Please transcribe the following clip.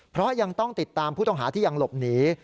เพราะยังต้องติดตามผู้ต้องหาที่ยังหลบหนี